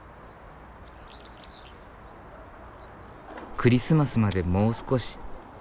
クリスマスまでもう少し。